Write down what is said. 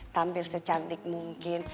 tampil secantik mungkin